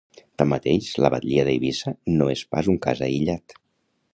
Tanmateix, la batllia d’Eivissa no és pas un cas aïllat.